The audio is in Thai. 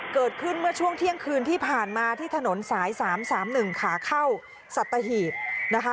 เกิดขึ้นเมื่อช่วงเที่ยงคืนที่ผ่านมาที่ถนนสาย๓๓๑ขาเข้าสัตหีบนะคะ